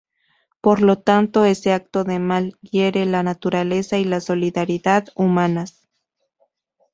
Por lo tanto, ese acto del mal hiere la naturaleza y la solidaridad humanas.